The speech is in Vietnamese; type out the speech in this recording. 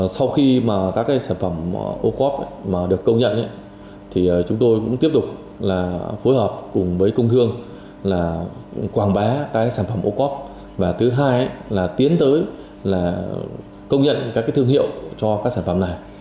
sau khi các sản phẩm ô cốp được công nhận chúng tôi cũng tiếp tục phối hợp cùng với công thương quảng bá các sản phẩm ô cốp và thứ hai là tiến tới công nhận các thương hiệu cho các sản phẩm này